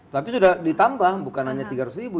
tapi sudah ditambah bukan hanya tiga ratus ribu